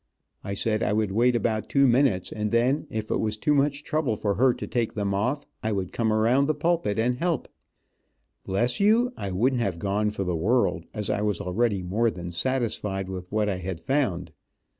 I said I would wait about two minutes, and then, if it was too much trouble for her to take them off, I would come around the pulpit and help. Bless you, I wouldn't have gone for the world, as I was already more than satisfied with what I had found.